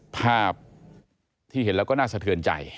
ภาพที่เห็นแล้วก็น่าสะเทือนใจ